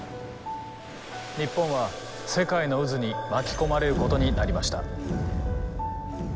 日本は世界の渦に巻き込まれることになりました。